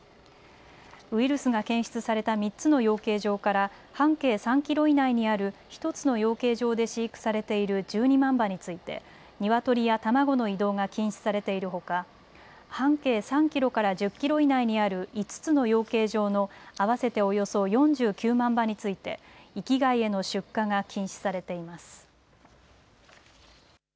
ウイルスが検出された３つの養鶏場から半径３キロ以内にある１つの養鶏場で飼育されている１２万羽についてニワトリや卵の移動が禁止されているほか、半径３キロから１０キロ以内にある５つの養鶏場の合わせておよそ４９万羽について域外への出荷が禁止されています。